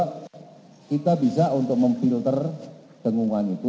kita bisa untuk memfilter dengungan itu